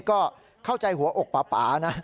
ก็เข้าใจหัวอกป่านะ